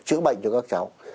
chữa bệnh cho các cháu